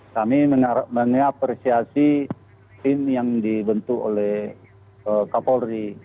kami mengapresiasi tim yang dibentuk oleh kapolri